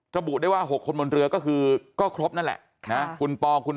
ระบุได้ว่า๖คนบนเรือก็คือก็ครบนั่นแหละนะคุณปอคุณ